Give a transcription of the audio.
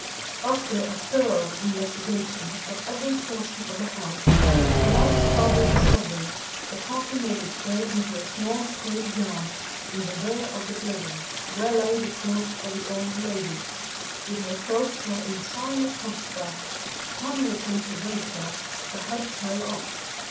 "After a thorough investigation of every portion of the house, without farther discovery, the party made its way into a small paved yard in the rear of the building, where lay the corpse of the old lady, with her throat so entirely cut that, upon an attempt to raise her, the head fell off.